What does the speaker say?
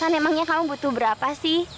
emangnya kamu butuh berapa sih